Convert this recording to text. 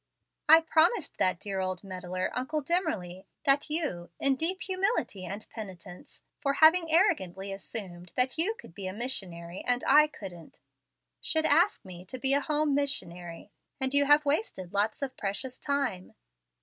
"I promised that dear old meddler, Uncle Dimmerly, that you, in deep humility and penitence for having arrogantly assumed that you could be a missionary and I couldn't, should ask me to be a home missionary; and you have wasted lots of precious time."